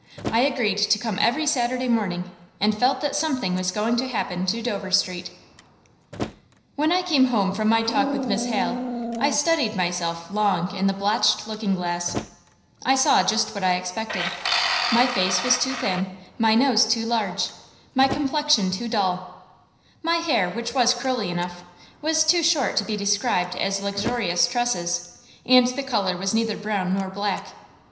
I agreed to come every Saturday morning, and felt that something was going to happen to Dover Street. [Illustration: THE FAMOUS STUDY, THAT WAS FIT TO HAVE BEEN PRESERVED AS A SHRINE] When I came home from my talk with Miss Hale, I studied myself long in my blotched looking glass. I saw just what I expected. My face was too thin, my nose too large, my complexion too dull. My hair, which was curly enough, was too short to be described as luxurious tresses; and the color was neither brown nor black.